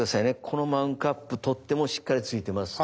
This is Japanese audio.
このマグカップ取っ手もしっかり付いてます。